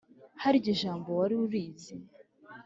Harya ijambo wari urizi